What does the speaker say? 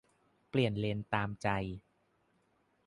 - เปลี่ยนเลนตามใจ